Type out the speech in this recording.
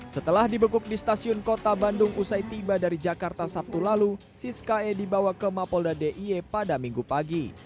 setelah dibekuk di stasiun kota bandung usai tiba dari jakarta sabtu lalu siskae dibawa ke mapolda dia pada minggu pagi